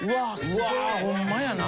うわーホンマやな。